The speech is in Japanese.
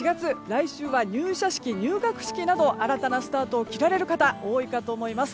来週は入社式、入学式など新たなスタートを切られる方も多いかと思います。